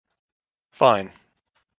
Fine.